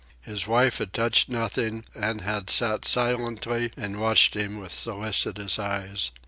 His wife had touched nothing, and had sat silently and watched him with solicitous eyes.